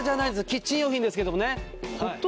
キッチン用品ですけどもね。